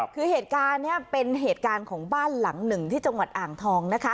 คือเหตุการณ์นี้เป็นเหตุการณ์ของบ้านหลังหนึ่งที่จังหวัดอ่างทองนะคะ